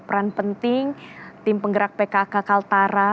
peran penting tim penggerak pkk kaltara